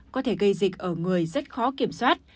có thể gây dịch ở người rất khó kiểm soát